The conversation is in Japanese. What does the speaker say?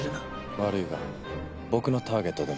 悪いが僕のターゲットでもある。